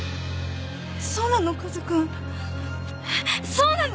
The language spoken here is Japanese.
そうなの？